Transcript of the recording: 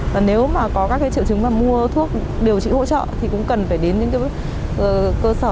và nếu mà có các cái triệu chứng mà mua thuốc điều trị hỗ trợ thì cũng cần phải đến những cái cơ sở